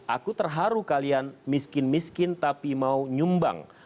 aku terharu kalian miskin miskin tapi mau nyumbang